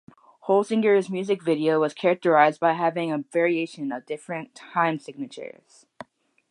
Holsinger's music was characterized by having a variation of different time signatures.